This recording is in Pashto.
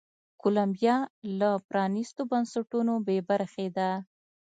کولمبیا له پرانیستو بنسټونو بې برخې ده.